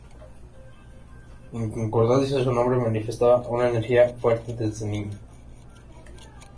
En concordancia a su nombre manifestaba una energía fuerte desde niño.